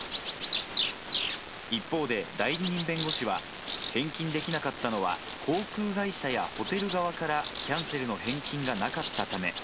一方で、代理人弁護士は、返金できなかったのは、航空会社やホテル側からキャンセルの返金がなかったため。